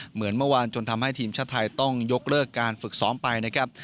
เหมือนเมื่อวานจนทำให้ทีมชาติไทยต้องยกเลิกการฝึกซ้อมไปนะครับ